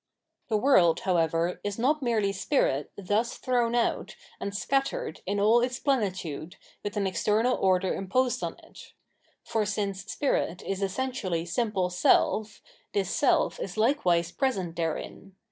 The world, however, is not merely Spirit thus thrown out and scattered in aU its plenitude with an external order imposed on it ; for since Spirit is essentially simple Self, this self is likewise present therein.